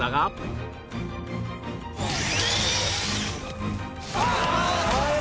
ああ。